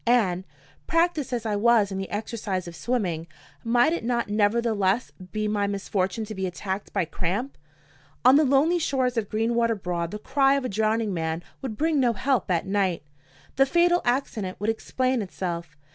And, practiced as I was in the exercise of swimming, might it not nevertheless be my misfortune to be attacked by cramp? On the lonely shores of Greenwater Broad the cry of a drowning man would bring no help at night. The fatal accident would explain itself.